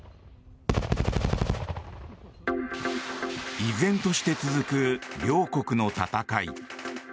依然として続く両国の戦い。